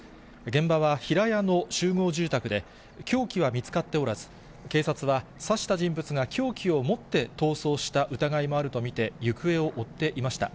現場は平屋の集合住宅で、凶器は見つかっておらず、警察は刺した人物が凶器を持って逃走した疑いもあると見て、行方を追っていました。